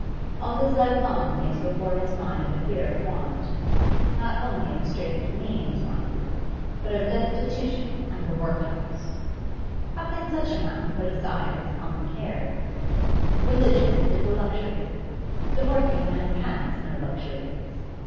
All his life long he has before his mind the fear of want not only of straitened means, mind you, but of destitution and the workhouse. How can such a man put aside his common cares? Religion is a luxury; the working man has no luxuries.